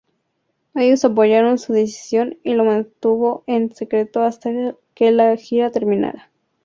Ellos apoyaron su decisión y lo mantuvo en secreto hasta que la gira terminara.